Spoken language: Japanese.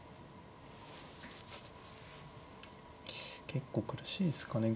結構苦しいですかね